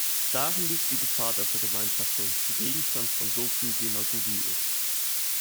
Darin liegt die Gefahr der Vergemeinschaftung, die Gegenstand von so viel Demagogie ist.